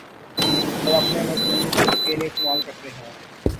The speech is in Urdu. اور اپنے مذموم مقاصد کے لیے استعمال کرتے ہیں